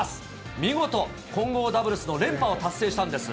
見事、混合ダブルスの連覇を達成したんです。